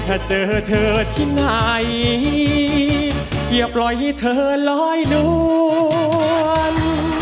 ถ้าเจอเธอที่ไหนอย่าปล่อยให้เธอลอยนวล